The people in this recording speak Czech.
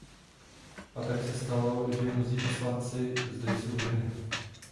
A tak se stalo, že mnozí poslanci zde jsou ženy.